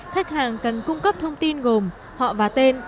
khách hàng cần cung cấp thông tin gồm họ và tên